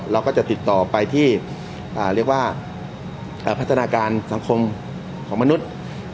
เราก็จะติดต่อไปที่เรียกว่าพัฒนาการสังคมของมนุษย์